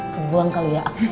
kebuan kali ya